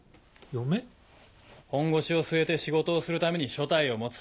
本腰を据えて仕事をするために所帯を持つ。